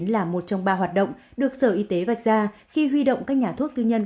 là một trong ba hoạt động được sở y tế vạch ra khi huy động các nhà thuốc tư nhân